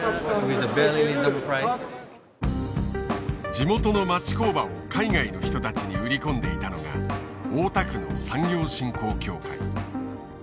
地元の町工場を海外の人たちに売り込んでいたのが大田区の産業振興協会。